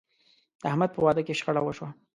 د احمد په واده کې شخړه وشوه.